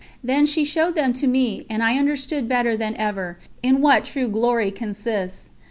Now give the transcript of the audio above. Then she showed them to me and I understood better than ever, in what true glory consists.